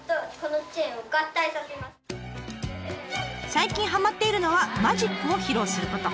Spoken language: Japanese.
最近はまっているのはマジックを披露すること。